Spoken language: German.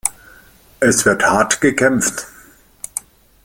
Es wird hart gekämpft.